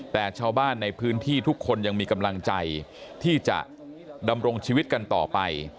แต่ชาวบ้านในพื้นที่ทุกคนยังมีกำลังใจที่จะดำรงชีวิตกันต่อไป